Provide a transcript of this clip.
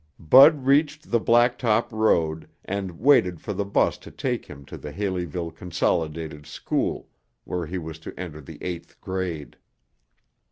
Bud reached the blacktop road and waited for the bus to take him to the Haleyville Consolidated School, where he was to enter the eighth grade.